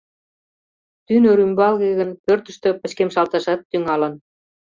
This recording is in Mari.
Тӱнӧ рӱмбалге гын, пӧртыштӧ пычкемышалташат тӱҥалын.